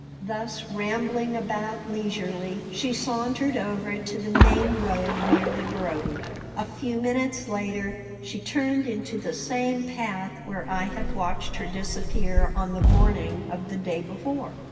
Thus rambling about leisurely, she sauntered over to the main road near the grove. A few minutes later she turned into the same path where I had watched her disappear on the morning of the day before.